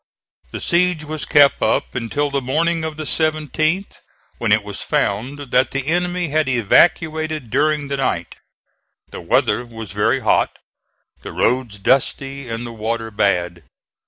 The siege was kept up until the morning of the 17th, when it was found that the enemy had evacuated during the night. The weather was very hot, the roads dusty and the water bad.